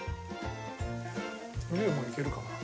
もういけるかな？